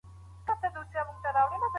مېرمني ته د خاوند کور ته راتلل اسانه دي؟